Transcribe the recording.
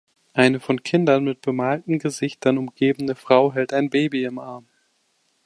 Eine von Kindern mit bemalten Gesichtern umgebene Frau hält ein Baby im Arm.